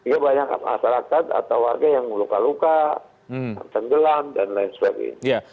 jadi banyak masyarakat atau warga yang luka luka tenggelam dan lain sebagainya